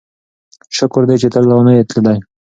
شکر دی چې ته لا نه یې تللی.